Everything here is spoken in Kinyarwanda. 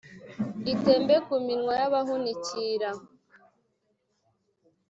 itembe ku minwa y’abahunikira.